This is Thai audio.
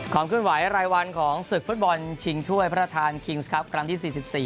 ความคลื่นไหวรายวันของศึกฟุตบอลชิงถ้วยพระทานครั้งที่๔๔